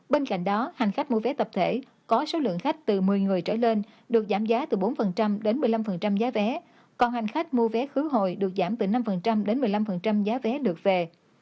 bên cạnh đó hành khách mua vé tập thể có số lượng khách từ một mươi người trở lên được giảm giá từ bốn đến một mươi năm giá vé còn hành khách mua vé khứ hồi được giảm từ năm đến một mươi năm giá vé được về